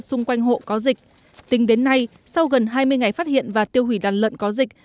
xung quanh hộ có dịch tính đến nay sau gần hai mươi ngày phát hiện và tiêu hủy đàn lợn có dịch